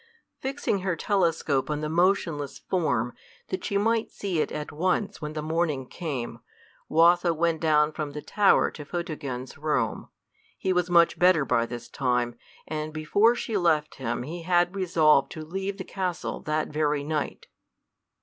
Fixing her telescope on the motionless form, that she might see it at once when the morning came, Watho went down from the tower to Photogen's room. He was much better by this time, and before she left him he had resolved to leave the castle that very night.